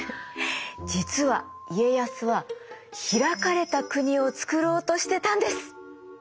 実は家康は開かれた国をつくろうとしてたんです！